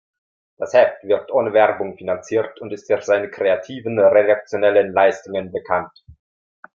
Das Heft wird ohne Werbung finanziert und ist für seine kreativen redaktionellen Leistungen bekannt.